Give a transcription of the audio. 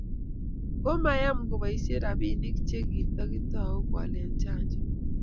ko mayem kiboisien robinik che katikiotoi kealen chanjo.